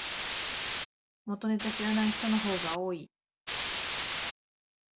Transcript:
元ネタ知らない人の方が多い